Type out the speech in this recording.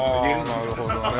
ああなるほどね。